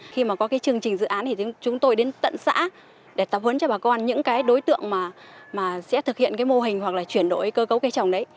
khi mà có trường trình dự án thì chúng tôi đến tận xã để tập hốn cho bà con những đối tượng mà sẽ thực hiện mô hình hoặc là chuyển đổi cơ cấu cây trồng đấy